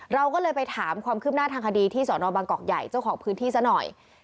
เราก็เลยไปถามความคืบหน้าทางคดีที่สอนอบางกอกใหญ่เจ้าของพื้นที่ซะหน่อย